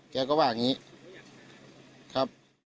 แกก็ว่าอย่างนี้ครับ